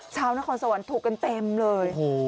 ชาวนครสวรรค์ถูกกันเต็มเลย